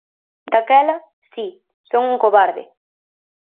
Daquela, si, son un covarde.